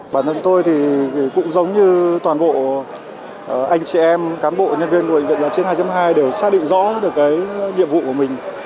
bản thân tôi cũng giống như toàn bộ anh chị em cán bộ nhân viên của bệnh viện giáo chiến hai hai để xác định rõ được cái nhiệm vụ của mình